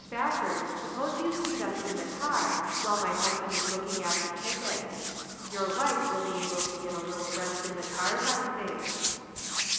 Spafford sup pose you seat us in the car, while my husband is looking after tickets. Your wife will be able to get a little rest in the cars I think."